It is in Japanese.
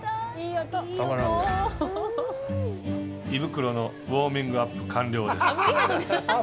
胃袋のウォーミングアップ完了です。